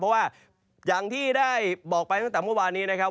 เพราะว่าอย่างที่ได้บอกไปตั้งแต่เมื่อวานนี้นะครับ